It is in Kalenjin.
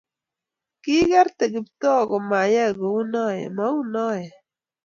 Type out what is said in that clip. ki ikerte Kiptoo komayai kou noe, mou noe